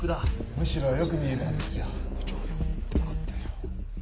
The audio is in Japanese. むしろ良く見えるはずですよ。